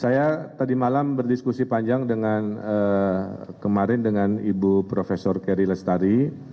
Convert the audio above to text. saya tadi malam berdiskusi panjang dengan kemarin dengan ibu prof keri lestari